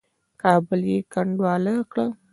کابل یې کنډواله کړ.